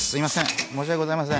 申し訳ございません。